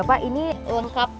oke mbak gita